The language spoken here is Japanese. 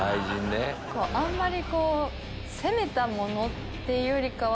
あんまり攻めたものっていうよりかは。